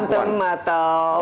tidak ada berantem atau